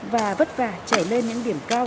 và vất vả chảy lên những điểm cao